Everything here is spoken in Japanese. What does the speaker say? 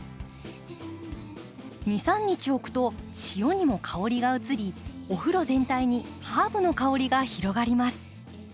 ２３日おくと塩にも香りが移りお風呂全体にハーブの香りが広がります。